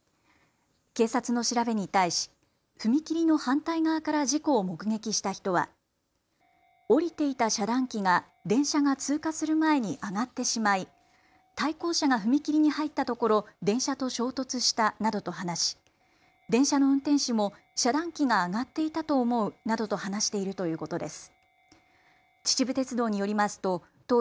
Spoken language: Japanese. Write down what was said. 警察の調べに対し、踏切の反対側から事故を目撃した人は下りていた遮断機が電車が通過する前に上がってしまい対向車が踏切に入ったところ電車と衝突したなどと話し電車の運転士も遮断機が上がっていたと思うなどと話しているということです。